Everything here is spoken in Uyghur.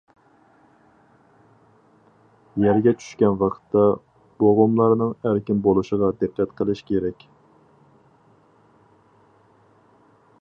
يەرگە چۈشكەن ۋاقىتتا، بوغۇملارنىڭ ئەركىن بولۇشىغا دىققەت قىلىش كېرەك.